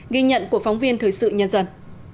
ghi nhận của phóng viên thời sự nhân dân